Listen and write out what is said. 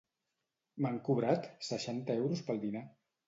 M'han cobrat seixanta euros pel dinar.